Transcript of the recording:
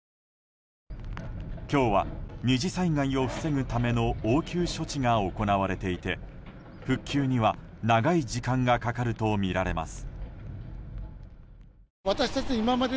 今日は２次災害を防ぐための応急措置が行われていて復旧には長い時間がかかるとみられます。